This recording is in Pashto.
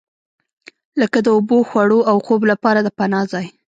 لکه د اوبو، خوړو او خوب لپاره د پناه ځای.